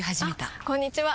あこんにちは！